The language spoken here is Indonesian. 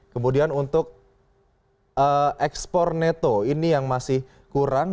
kemudian untuk ekspor neto ini yang masih kurang